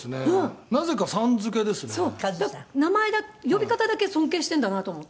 名前呼び方だけ尊敬してるんだなと思って」